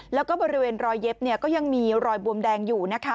แล้วก็บริเวณรอยเย็บก็ยังมีรอยบวมแดงอยู่นะคะ